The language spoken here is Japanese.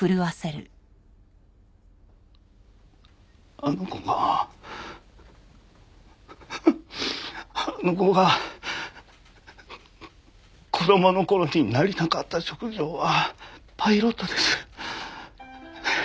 あの子があの子が子供の頃になりたかった職業はパイロットです。